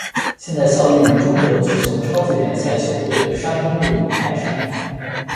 现在效力中国足球超级联赛球队山东鲁能泰山。